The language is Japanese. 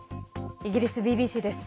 イギリスＢＢＣです。